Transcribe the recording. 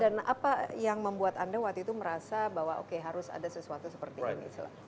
dan apa yang membuat anda waktu itu merasa bahwa harus ada sesuatu seperti ini